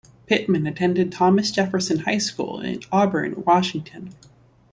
Pittman attended Thomas Jefferson High School in Auburn, Washington.